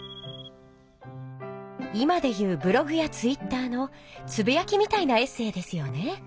今で言うブログやツイッターのつぶやきみたいなエッセーですよね？